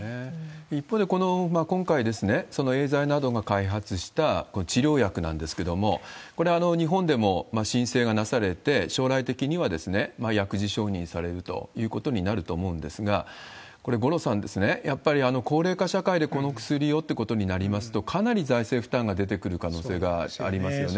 一方で、今回、そのエーザイなどが開発したこの治療薬なんですけれども、これ、日本でも申請がなされて、将来的には薬事承認されるということになると思うんですが、これ、五郎さん、やっぱり高齢化社会でこの薬をってことになりますと、かなり財政負担が出てくる可能性がありますよね。